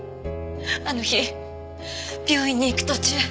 あの日病院に行く途中。